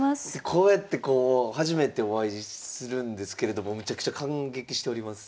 こうやってこう初めてお会いするんですけれどもめちゃくちゃ感激しております。